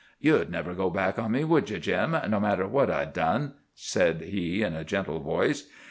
"You'd never go back on me, would you, Jim, no matter what I'd done?" said he, in a gentle voice.